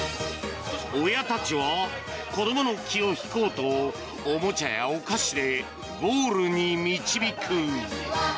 親たちは子どもの気を引こうとおもちゃやお菓子でゴールに導く。